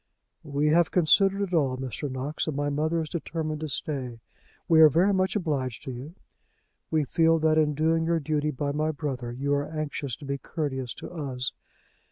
"We have considered it all, Mr. Knox, and my mother is determined to stay. We are very much obliged to you. We feel that in doing your duty by my brother you are anxious to be courteous to us.